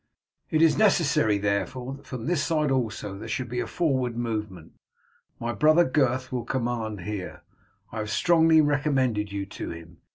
It is necessary therefore that from this side also there should be a forward movement. My brother, Gurth, will command here. I have strongly recommended you to him.